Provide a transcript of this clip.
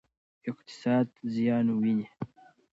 اقتصاد زیان ویني.